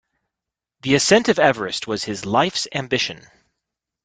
The ascent of Everest was his life's ambition